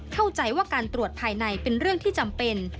เข้าใจว่าการตรวจภายในเป็นเรื่องที่จำเป็น